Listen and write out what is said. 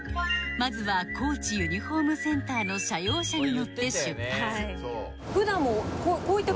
まずは「高知ユニフォームセンター」の社用車に乗って出発はい